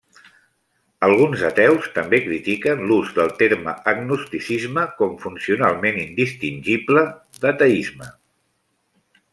Alguns ateus també critiquen l'ús del terme agnosticisme com funcionalment indistingible d'ateisme.